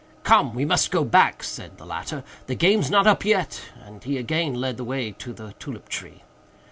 "Come! we must go back," said the latter, "the game's not up yet;" and he again led the way to the tulip tree.